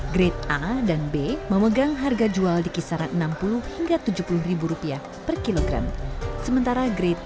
grade a dan b memegang harga jual dikisaran enam puluh hingga tujuh puluh ribu rupiah per kilogram sementara grade